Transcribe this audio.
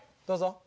どうぞ。